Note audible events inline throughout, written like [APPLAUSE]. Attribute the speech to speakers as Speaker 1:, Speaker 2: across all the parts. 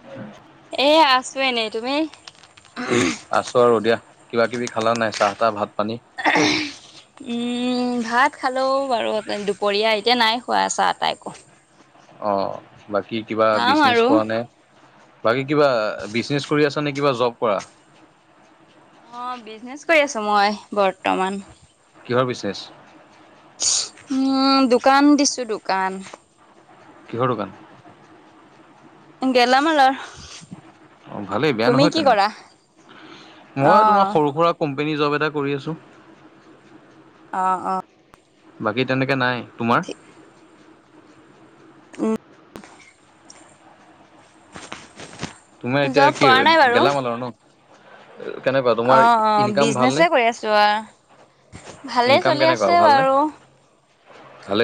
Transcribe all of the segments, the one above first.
Speaker 1: [UNINTELLIGIBLE]
Speaker 2: এ আছো এনেই তুমি।
Speaker 1: আছোঁ আৰু দিয়া, কিবা কিবি খালা নাই চাহ তাহ ভাত পানী?
Speaker 2: [UNINTELLIGIBLE] উম, ভাত খালেও বাৰু দুপৰীয়া এতিয়া নাই খোৱা চাহ তাহ একো।
Speaker 1: অ, বাকী কিবা
Speaker 2: খাম
Speaker 1: বিজনেছ
Speaker 2: আৰু
Speaker 1: কৰা নে? বাকী কিবা বিজনেচ কৰি আছা নে কিবা জব কৰা‌?
Speaker 2: অঁ বিজনেচ কৰি আছো মই বৰ্তমান।
Speaker 1: কিহৰ বিজনেছ?
Speaker 2: উম দোকান দিছো দোকান।
Speaker 1: কিহৰ দোকান?
Speaker 2: গেলা মালৰ।
Speaker 1: অঁ ভালেই বেয়া নহয় তেনে,
Speaker 2: অ
Speaker 1: মই তোমাৰ সৰু সুৰা কোম্পনী জব এটা কৰি আছো।
Speaker 2: অঁ অঁ
Speaker 1: বাকী তেনেকে নাই তোমাৰ।
Speaker 2: উম,
Speaker 1: তোমাৰ এতিয়া
Speaker 2: জব
Speaker 1: কি
Speaker 2: কৰা নাই বাৰু।
Speaker 1: গেলামালৰ ন কেনেকুৱা তোমাৰ
Speaker 2: অ', অ',
Speaker 1: ইনকাম ভালনে
Speaker 2: বিজনেছে কৰি আছো অ, ভালেই
Speaker 1: ইনকাম
Speaker 2: চলি
Speaker 1: কেনেকুৱা
Speaker 2: আছে
Speaker 1: ভালনে
Speaker 2: বাৰু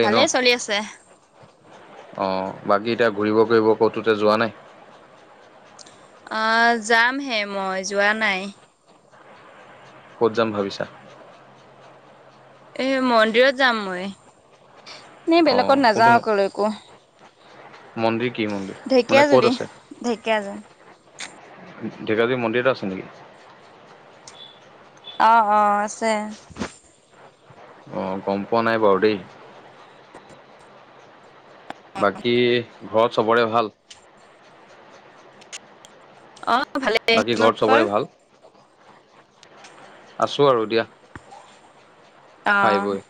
Speaker 2: ভালেই চলি আছে।
Speaker 1: অ, বাকী এতিয়া ঘূৰিব ফূৰিব ক'তোতে যোৱা নাই।
Speaker 2: অ, যাম হে মই যোৱা নাই।
Speaker 1: ক'ত যাম ভাবিছা?
Speaker 2: এ মন্দিৰত যাম মই এনেই
Speaker 1: অ
Speaker 2: বেলেগত
Speaker 1: কোনটো
Speaker 2: নাযাও একলৈকো।
Speaker 1: মন্দিৰ কি মন্দিৰ মানে
Speaker 2: ঢেকীয়াজুলি
Speaker 1: ক'ত আছে?
Speaker 2: ঢেকীয়াজুলি
Speaker 1: ঢেকাজী মন্দিৰ এটা আছে নেকি?
Speaker 2: অ', অ', আছে।
Speaker 1: অ, গম পোৱা নাই বাৰু দেই। বাকী ঘৰত চবৰে ভাল।
Speaker 2: অ, ভালেই
Speaker 1: বাকী ঘৰত চবৰে
Speaker 2: তোমালোকৰ? [UNINTELLIGIBLE]
Speaker 1: ভাল? আছো আৰু দিয়া। খাই
Speaker 2: অ',
Speaker 1: বৈ।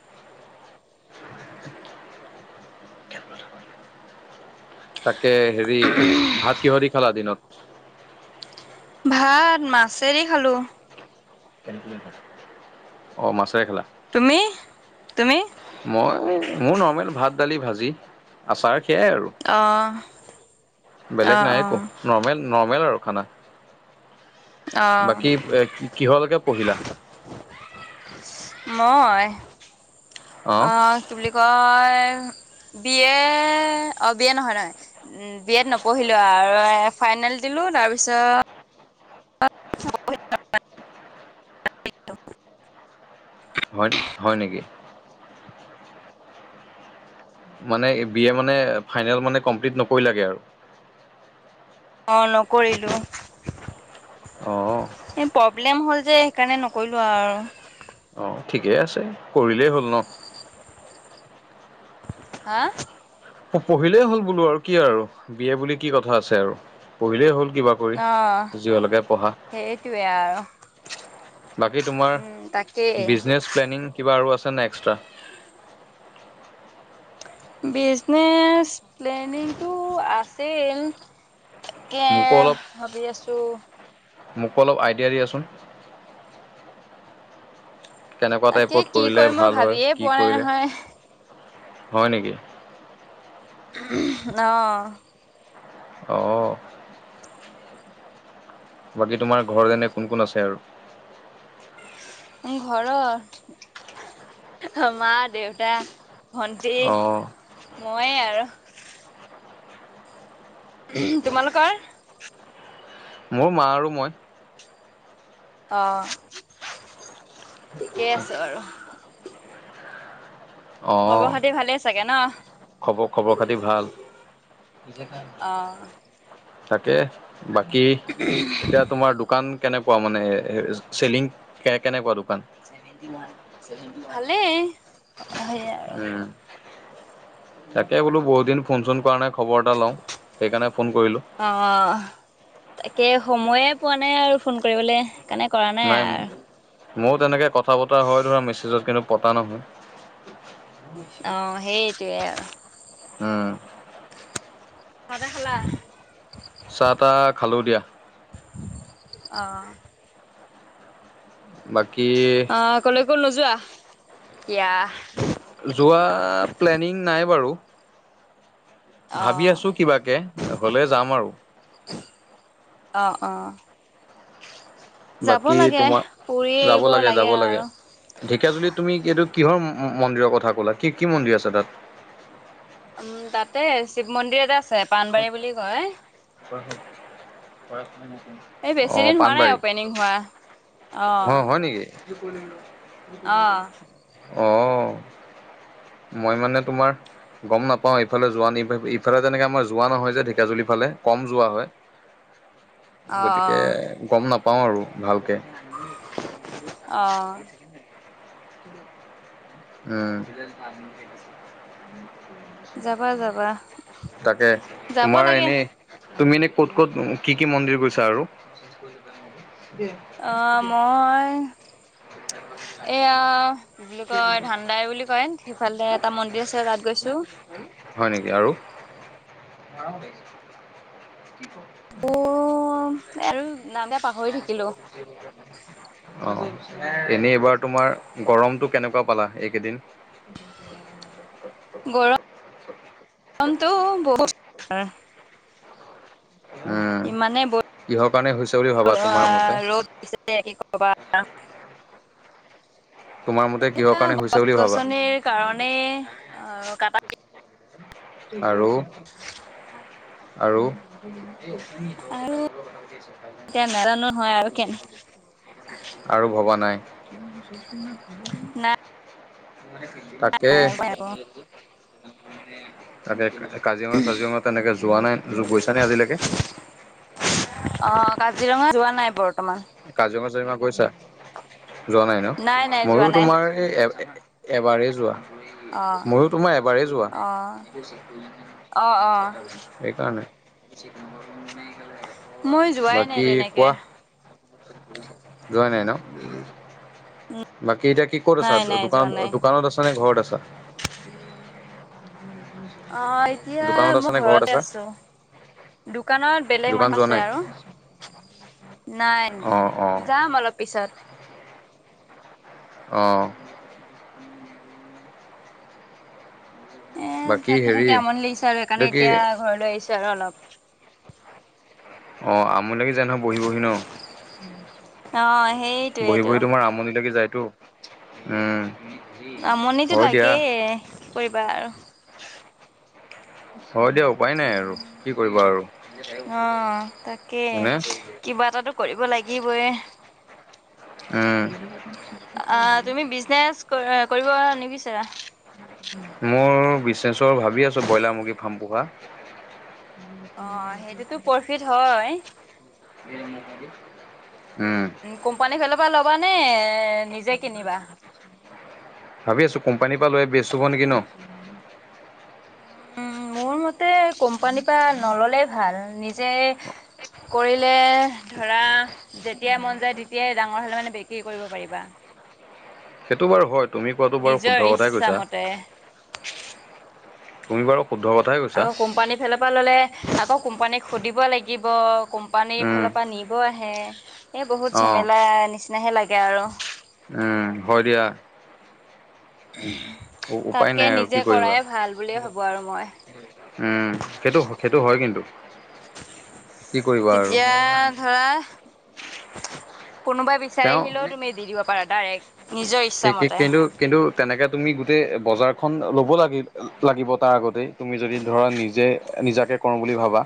Speaker 1: তাকে হেৰি ভাত কিহৰি খালা দিনত।
Speaker 2: ভাত মাছেদি খালো।
Speaker 1: অ, মাছেৰে খালা।
Speaker 2: তুমি - তুমি?
Speaker 1: মই মোৰ নৰ্মেল ভাত দালি ভাজি আচাৰ সেয়াই আৰু
Speaker 2: অঁ
Speaker 1: বেলেগ
Speaker 2: অঁ
Speaker 1: নাই
Speaker 2: অঁ
Speaker 1: একো নৰ্মেল - নৰ্মেল আৰু খানা।
Speaker 2: অঁ
Speaker 1: বাকী কিহলৈকে পঢ়িলা?
Speaker 2: মই
Speaker 1: অ'
Speaker 2: আহ কি বুলি কয় বি এ, অ, বি এ নহয়-নহয়। উম, বি এড নপঢ়িলো আৰু এ ফাইনেল দিলো। তাৰ পিছত [UNINTELLIGIBLE]
Speaker 1: হয়-হয় নেকি? মানে বি এ মানে ফাইনেল মানে কমপ্লিট নকৰিলাগে আৰু।
Speaker 2: অ, নকৰিলো এ প
Speaker 1: অ'
Speaker 2: প্ৰব্লেম হ'ল যে সেইকাৰণে নকৰিলো আৰু।
Speaker 1: অ, ঠিকেই আছে কৰিলেই হ'ল ন।
Speaker 2: হা?
Speaker 1: পঢ়িলেই হ'ল বোলো আৰু কি আৰু বিয় বুলি কি কথা আছে আৰু পঢ়িলেই হ'ল কিবা পৰি
Speaker 2: অঁ
Speaker 1: জলৈকে পঢ়া
Speaker 2: সেইটোৱে আৰু
Speaker 1: বাকী তোমাৰ
Speaker 2: উম তাকেই
Speaker 1: বিজনেচ প্লেনিং কিবা আৰু আছে ন এক্সট্ৰা
Speaker 2: বিজনেচ, প্লেনিংটো আছিল। তাকে,
Speaker 1: মোকো অলপ
Speaker 2: ভাবি আছো।
Speaker 1: মোকো অলপ আইডিয়া দিয়াচোন। কেনেকুৱা
Speaker 2: তাকে
Speaker 1: টাইপত
Speaker 2: কি
Speaker 1: কৰিলে
Speaker 2: কৰিম মই
Speaker 1: ভাল হয়।
Speaker 2: ভাবিয়ে
Speaker 1: কি
Speaker 2: পোৱা নাই
Speaker 1: কৰিলে হয় নেকি?
Speaker 2: উম, অহ,
Speaker 1: অ', বাকী তোমাৰ ঘৰত এনে কোন-কোন আছে আৰু?
Speaker 2: ঘৰত, মা, দেউতা ভণ্টি,
Speaker 1: অ
Speaker 2: মইয়ে আৰু। উম, তোমালোকৰ?
Speaker 1: মোৰ মা আৰু মই।
Speaker 2: অ, ঠিকেই আছে বাৰু। খবৰ-খাটি ভালেই চাগে ন?
Speaker 1: খবৰ-খবৰ-খাতি ভাল
Speaker 2: অ
Speaker 1: তাকে বাকী! এতিয়া তোমাৰ দোকান কেনেকুৱা মানে? চেলিং কে, কেনেকুৱা দোকান?
Speaker 2: ভালেই, সেইয়া আৰু।
Speaker 1: উম তাকে বোলোঁ বহুতদিন ফোন-চোন কৰা নাই, খবৰ এটা লওঁ। সেইকাৰণে ফোন কৰিলোঁ।
Speaker 2: অঁ' তাকে সময়ে পোৱা নাই আৰু ফোন কৰিবলে সেইকাৰণে কৰা
Speaker 1: নাই,
Speaker 2: আৰু
Speaker 1: ময়ো তেনেকে কথা-বতৰা হয় ধৰা, মেছেজত কিন্তু পতা নহয়।
Speaker 2: অ'সেইটোৱে আৰু।
Speaker 1: উম।
Speaker 2: চাহ-টাহ খালা?
Speaker 1: চাহ-টাহ খালোঁ দিয়া।
Speaker 2: অঁ।
Speaker 1: বাকী
Speaker 2: অ কলৈকো নোযোৱা এতিয়া?
Speaker 1: যোৱা প্লেনিং নাই বাৰু। ভাবি
Speaker 2: অ',
Speaker 1: আছো কিবাকে, হলে যাম আৰু।
Speaker 2: অঁ অঁ। যাব
Speaker 1: বাকী
Speaker 2: লাগে,
Speaker 1: তোমাৰ
Speaker 2: পুৰি আহিব লাগে আৰু।
Speaker 1: ঢেকীয়াজুলিত তুমি এইটো কিহৰ মন্দিৰৰ কথা ক'লা? কি, কি মন্দিৰ আছে তাত?
Speaker 2: উম, তাতে শিৱ মন্দিৰ এতে আছে, পাণবাৰী বুলি কয়। এই
Speaker 1: [UNINTELLIGIBLE]
Speaker 2: বেছি
Speaker 1: অ'
Speaker 2: দিন হোৱা নাই
Speaker 1: পানবাৰী।
Speaker 2: অপেনিং হোৱা।
Speaker 1: অ' হয় নেকি?
Speaker 2: অ',
Speaker 1: [UNINTELLIGIBLE] অঁ। মই মানে তোমাৰ গম নাপাওঁ। এইফালে যোৱা নি, ইফালে জেনেকে আমাৰ যোৱা নহয় যে ঢেকিয়াজুলি ফালে, কম যোৱা হয়।
Speaker 2: অ',
Speaker 1: গতিকে' গম নাপাওঁ আৰু ভালকে।
Speaker 2: [UNINTELLIGIBLE] অঁ।
Speaker 1: অ [UNINTELLIGIBLE]
Speaker 2: যাবা যাবা।
Speaker 1: [INAUDIBLE] তাকে
Speaker 2: যাব
Speaker 1: তোমাৰ
Speaker 2: লাগে
Speaker 1: এনেই তুমি এনে ক'ত ক'ত, কি কি মন্দিৰ গৈছা আৰু?
Speaker 2: অ' মই এইয়া কি বুলি কয় ধানদাই বুলি কয়। সিফালে এটা মন্দিৰ আছে তাত গৈছো।
Speaker 1: হয় নেকি আৰু? [UNINTELLIGIBLE]
Speaker 2: অ' আৰু নাম দিয়া পাহৰি থাকিলো।
Speaker 1: [UNINTELLIGIBLE] অ এনেই এইবাৰ তোমাৰ গৰমতটো কেনেকুৱা পালা এইকেইদিন? [UNINTELLIGIBLE]
Speaker 2: গৰম [INAUDIBLE] টো বহুত
Speaker 1: উম
Speaker 2: ইমানেই ব
Speaker 1: কিহৰ কাৰণে হৈছে বুলি ভাবা তোমাৰ মতে
Speaker 2: [INAUDIBLE] ৰ'দ দিছে কি কবা।
Speaker 1: তোমাৰ মতে কিহৰ কাৰণে হৈছে বুলি ভাবা?
Speaker 2: কাৰনে অ [UNINTELLIGIBLE]
Speaker 1: আৰু? আৰু?
Speaker 2: আৰু এতিয়া নাজানো হয় আৰু কেনে
Speaker 1: [UNINTELLIGIBLE] আৰু ভবা নাই। [INAUDIBLE]
Speaker 2: নাই
Speaker 1: তাকে [INAUDIBLE]
Speaker 2: নাই আকৌ
Speaker 1: তাকে কাজিৰঙা, ছাজিৰঙা তেনেকে পোৱা নাই, গৈছানে আজিলৈকে?
Speaker 2: [INAUDIBLE] অ কাজিৰঙা যোৱা নাই' বৰ্তমান।
Speaker 1: কাজিৰঙা, চাজিৰঙা গৈছা? যোৱা নাই ন?
Speaker 2: নাই যোৱা
Speaker 1: ময়ো
Speaker 2: নাই
Speaker 1: তোমাৰ এই এ এবাৰেই যোৱা।
Speaker 2: অ
Speaker 1: ময়ো তোমাৰ এবাৰেই যোৱা।
Speaker 2: অ অ অ
Speaker 1: সেই কাৰণে।
Speaker 2: মই যোৱাই নাই
Speaker 1: বাকী
Speaker 2: তেনেকে
Speaker 1: কোৱা? যোৱা নাই ন? বাকী এতিয়া কি ক'ত আছা?
Speaker 2: নাই নাই
Speaker 1: দোকানত
Speaker 2: যোৱা নাই
Speaker 1: দোকানত আছা নে ঘৰত আছা?
Speaker 2: অ এতিয়া
Speaker 1: দোকানত আছা
Speaker 2: মই
Speaker 1: নে ঘৰত
Speaker 2: ঘৰতে
Speaker 1: আছা
Speaker 2: আছোঁ, দোকানত বেলেগ
Speaker 1: দোকান
Speaker 2: মানুহ
Speaker 1: যোৱা
Speaker 2: আছে
Speaker 1: নাই
Speaker 2: আৰু। নাই
Speaker 1: অ অ
Speaker 2: যাম অলপ পিছত।
Speaker 1: অ।
Speaker 2: এ
Speaker 1: বাকী
Speaker 2: থাকি -
Speaker 1: হেৰি
Speaker 2: থাকি আমনি লাগিচে আৰু
Speaker 1: এইটো
Speaker 2: সেইকাৰণে
Speaker 1: কি
Speaker 2: এতিয়া ঘৰলৈ আহিছো আৰু অলপ।
Speaker 1: অঁ আমনি লাগি যাই নহয় বহি বহি ন?
Speaker 2: অ
Speaker 1: বহি
Speaker 2: সেইটোৱেতো
Speaker 1: বহি তোমাৰ আমনি লাগি যায়তো উম।
Speaker 2: আমনিটো
Speaker 1: হয় দিয়া,
Speaker 2: লাগেই, কি কৰিবা আৰু।
Speaker 1: হয় দিয়া উপায় নাই আৰু কি কৰিবা আৰু
Speaker 2: অ তাকে
Speaker 1: হয়নে?
Speaker 2: কিবা এটাটো কৰিব লাগিবই।
Speaker 1: উম।
Speaker 2: আ তুমি বিজনেচ ক কৰিব নিবিচাৰা?
Speaker 1: মোৰ বিজনেছৰ ভাবি আছো ব্ৰইলাৰ মুৰ্গী ফাৰ্ম পোহা।
Speaker 2: অ সেইটোতো প্ৰফিট হয়।
Speaker 1: উম।
Speaker 2: উম কোম্পানীৰ ফালৰ পৰা ল'বা নে নিজে কিনিবা?
Speaker 1: ভাবি আছো কোম্পানীৰ পৰা লৈ বেষ্ট হ'ব নেকি ন?
Speaker 2: উম মোৰ মতে কোম্পানীৰ পৰা নললেই ভাল, নিজে কৰিলে ধৰা যেতিয়াই মন যায় তেতিয়াই ডাঙৰ হালে মানে বিক্ৰী কৰিব পাৰিবা।
Speaker 1: সেইটো বাৰু হয়, তুমি কোৱাটো বাৰু
Speaker 2: নিজৰ
Speaker 1: শুদ্ধ কথাই কৈছা।
Speaker 2: ইচ্ছামতে
Speaker 1: তুমি বাৰু শুদ্ধ কথাই কৈছা।
Speaker 2: আকৌ কোম্পানীৰ ফালৰ পৰা ললে আকৌ কোম্পানীক সুধিব লাগিব। কোম্পানীৰ
Speaker 1: উম,
Speaker 2: ফালৰ পৰা নিব আহে। এই বহুত
Speaker 1: অ'
Speaker 2: ঝেমেলা নিচিনাহে লাগে আৰু।
Speaker 1: উম হয় দিয়া।
Speaker 2: উহ
Speaker 1: উপায়
Speaker 2: তাতকে
Speaker 1: নাই আৰু কি
Speaker 2: নিজে
Speaker 1: কৰিবা।
Speaker 2: কৰাই ভাল বুলিয়ে ভাবোঁ আৰু মই।
Speaker 1: উম সেইটো - সেইটো হয় কিন্তু। কি কৰিবা আৰু
Speaker 2: তেতিয়া ধৰা কোনোবাই বিচাৰি
Speaker 1: তেওঁ
Speaker 2: আহিলেও তুমি দি দিব পাৰা ডাইৰেক্ট। নিজৰ
Speaker 1: কে কে
Speaker 2: ইচ্ছামতে
Speaker 1: কিন্তু কিন্তু তেনেকে তুমি গোটেই বজাৰখন ল'ব লাগি লাগিব তাৰ আগতেই। তুমি যদি ধৰা নিজে নিজাকে কৰোঁ বুলি ভাবা।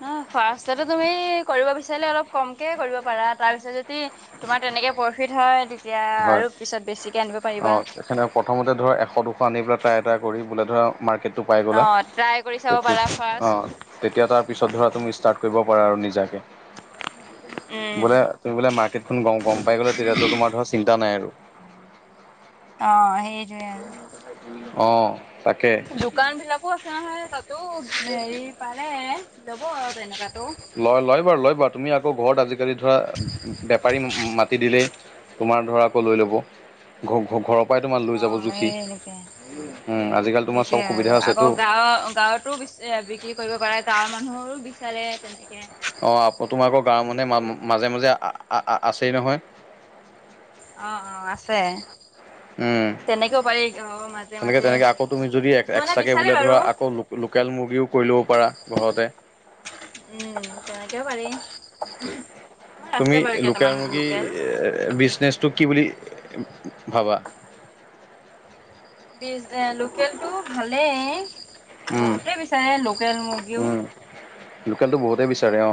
Speaker 2: ন খৰচাটো তুমি কৰিব বিচাৰিলে অলপ কমকে কৰিব পাৰা, তাৰপিছত যদি তোমাৰ তেনেকে প্ৰফিট হয় তেতিয়া আৰু পিছত বেছিকে আনিব পাৰিবা।
Speaker 1: সেনে প্ৰথমতে ধৰ এশ দুশ আনি পেলাই ট্ৰাই এটা কৰি বোলে ধৰা মাৰ্কেট টোপাই
Speaker 2: অ
Speaker 1: গ'লা,
Speaker 2: ট্ৰাই কৰি চাব
Speaker 1: খেতিত
Speaker 2: পাৰা ফাৰ্ষ্ট
Speaker 1: অঁ। তেতিয়া তাৰ পিছত ধৰা তুমি ষ্টাৰ্ট কৰিব পাৰা আৰু নিজাকে।
Speaker 2: উম
Speaker 1: বোলে তুমি বোলে মাৰ্কেটখন গম গম পাই গ'লা তেতিয়াটো তোমৰ ধৰা চিন্তা নাই আৰু।
Speaker 2: অঁ সেইটোৱে আৰু।
Speaker 1: অঁ। তাকে
Speaker 2: দোকানবিলাকো আছে নহয় তাতো হেৰি পালে ল'ব আৰু তেনেকাতো।
Speaker 1: লয় লয় বাৰু লয় বাৰু। তুমি আকৌ ঘৰত আজিকালি ধৰা বেপাৰী মাটি দিলেই তোমাৰ ধৰা আকৌ লৈ ল'ব। ঘ ঘ ঘৰৰ পাই তোমাৰ লৈ
Speaker 2: অ
Speaker 1: যাব জুখি।
Speaker 2: সেই এনেকে
Speaker 1: উম আজিকালি তোমাৰ চব সুবিধা আছেতো।
Speaker 2: আ গাঁৱত তো বি বিক্ৰী কৰিব পাৰে। গাঁৱৰ মানুহৰো বিচাৰে তেনেকে।
Speaker 1: অঁ আ তোমাৰ আকৌ গাঁৱৰ মানুহে মা মাজে মাজে আ আ আছেই নহয়।
Speaker 2: অ অ আছে।
Speaker 1: উম,
Speaker 2: তেনেকৈও পাৰি অ মা-
Speaker 1: তেনেকে তেনেকে আকৌ তুমি যদি এক্সট্ৰাকে বোলে
Speaker 2: বাৰু
Speaker 1: ধৰা আকৌ লোকেল মুৰ্গীও কৰি ল'ব পাৰা ঘৰতে।
Speaker 2: উম তেনেকেও পাৰি। মোৰ আছে
Speaker 1: তুমি
Speaker 2: বাৰু
Speaker 1: লোকেল
Speaker 2: কেইটামান
Speaker 1: মুৰ্গী
Speaker 2: লোকেল
Speaker 1: বিজনেচটো কি বুলি ভাবা?
Speaker 2: বিজ এ লোকেল টো ভালেই।
Speaker 1: উম,
Speaker 2: বহুতে বিচাৰে লোকেল মুৰ্গীও
Speaker 1: উম, লোকেলটো বহুতেই বিচাৰে অ'।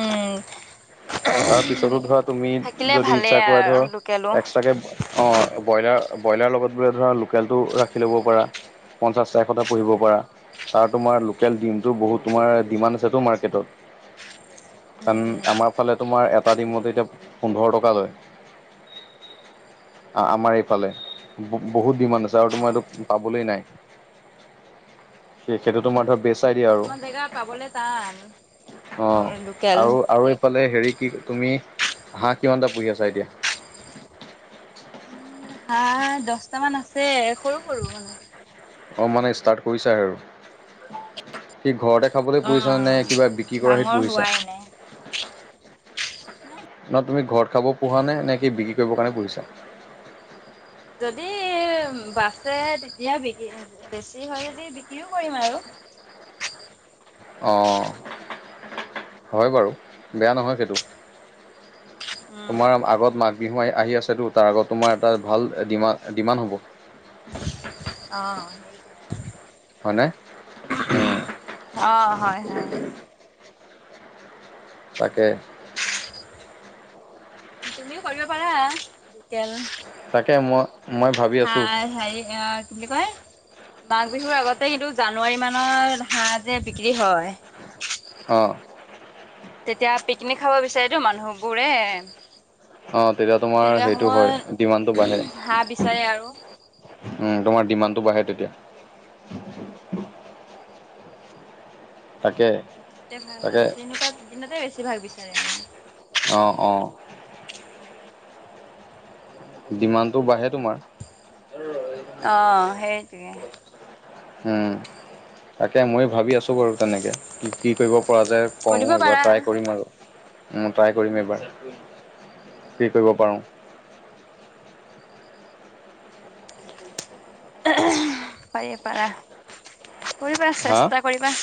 Speaker 2: উম।
Speaker 1: তাৰ পিছতো ধৰা তুমি
Speaker 2: থাকিলে
Speaker 1: যদি
Speaker 2: ভালেই
Speaker 1: ইচ্ছা কৰা ধৰা
Speaker 2: আৰু লোকেলো
Speaker 1: এক্সট্ৰাকে অ', ব্ৰইলাৰ ব্ৰইলাৰ লগত বোলে ধৰা লোকেলটো ৰাখি ল'ব পাৰা। পঞ্চাশটা এশটা পুহিব পাৰা। তাৰ তোমাৰ লোকেল ডিমটো বহুত তোমাৰ ডিমান আছেটো মাৰ্কেটত।
Speaker 2: উম
Speaker 1: কাৰণ
Speaker 2: উম
Speaker 1: আমাৰ ফালে তোমাৰ এটা দিমতে এতিয়া পোন্ধৰ টকা লয়।
Speaker 2: [INAUDIBLE]
Speaker 1: আমাৰ এইফালে। বহুত ডিমাণ্ড আছে আৰু
Speaker 2: অ
Speaker 1: তোমাৰ এইটো পাবলৈ নাই। সেইটো তোমাৰ ধৰ বেচ আইডিয়া আৰু
Speaker 2: কিছুমান জেগা পাবলে টান
Speaker 1: অ,
Speaker 2: লোকেল
Speaker 1: আৰু আৰু ফালে হেৰি কি তুমি হাঁহ কিমানটা পুহি আছা এতিয়া?
Speaker 2: উম হাঁহ দচটামান আছে সৰু সৰু মানে।
Speaker 1: অ মানে ষ্টাৰ্ট কৰিছা আৰু। সি ঘৰতে খাবলৈ
Speaker 2: অ
Speaker 1: পুহিছা নে, নে কিবা বিক্ৰী কৰাহে
Speaker 2: ডাঙৰ
Speaker 1: পুহিছা?
Speaker 2: [INAUDIBLE] নাই
Speaker 1: নহ তুমি ঘৰত খাব পোহা নে, নেকি বিক্ৰী কৰিব কাৰণে পুহিছা?
Speaker 2: যদি বাচে তেতিয়া বিকি বেছি হয় যদি বিক্ৰীও কৰিম আৰু।
Speaker 1: অ', হয় বাৰু বেয়া নহয় সেইটো।
Speaker 2: উম
Speaker 1: তোমাৰ আগত মাঘ বিহু আহি আছেতো তাৰ আগত তোমাৰ এটা ভাল ডিমান ডিমান হ'ব।
Speaker 2: অ'সেইটোৱে আৰু।
Speaker 1: হয়নে উম।
Speaker 2: অ হয় হয়।
Speaker 1: তাকে
Speaker 2: তুমিও কৰিব পাৰা লোকেল।
Speaker 1: তাকে মই মই
Speaker 2: উম
Speaker 1: ভাবি আছোঁ
Speaker 2: হাঁহ হেৰি আ কি বুলি কয়, মাঘ বিহুৰ আগতে কিন্তু জানুৱাৰী মানৰ হাঁহ যে বিক্ৰী হয়।
Speaker 1: অ।
Speaker 2: তেতিয়া পিকনিক খাব বিচাৰেতো মানুহবোৰে।
Speaker 1: অ' তেতিয়া তোমাৰ
Speaker 2: তেনেকুৱা
Speaker 1: সেইটো হয় ডিমাটো
Speaker 2: সময়ত
Speaker 1: বাঢ়ে।
Speaker 2: হাঁহ বিচাৰে আৰু
Speaker 1: উম তোমাৰ ডিমাণ্ডটো বাঢ়ে তেতিয়া। তাকে
Speaker 2: মতে ভাল
Speaker 1: তাকে
Speaker 2: আৰু তেনেকুৱা দিনতে বেছি ভাগ বিচাৰে মানুহে।
Speaker 1: অ, অ'। ডিমাণ্ডটো বাঢ়ে তোমাৰ।
Speaker 2: অ', সেইটোৱে।
Speaker 1: উম, তাকে ময়ো ভাবি আছো বাৰু তেনেকে। কি কি কৰিব পৰা যায়
Speaker 2: কৰিব
Speaker 1: কৰোঁ এইবাৰ
Speaker 2: পাৰা
Speaker 1: ট্ৰাই কৰিম আৰু। উম ট্ৰাই কৰিম এইবাৰ কি কৰিব পাৰোঁ।
Speaker 2: উম পাৰি পাৰা। কৰিবা
Speaker 1: হা।
Speaker 2: চেষ্টা কৰিবা।